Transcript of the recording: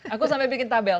aku sampai bikin tabel